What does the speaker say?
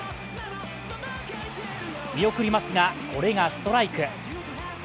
見送りますが、これがストライク。